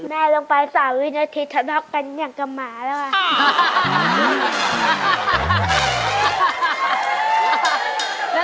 แม่ลงไป๓วินาทีทะเลาะกันอย่างกับหมาแล้วค่ะ